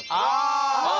ああ！